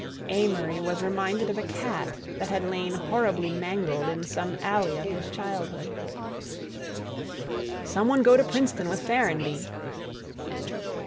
Amory was reminded of a cat that had lain horribly mangled in some alley of his childhood. "Some one go to Princeton with Ferrenby."